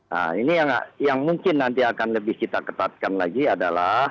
nah ini yang mungkin nanti akan lebih kita ketatkan lagi adalah